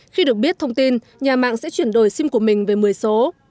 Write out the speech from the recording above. khi được biết thông tin nhà mạng sẽ chuyển đổi sim của mình về một mươi số